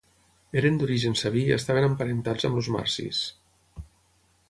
Eren d'origen sabí i estaven emparentats amb els marsis.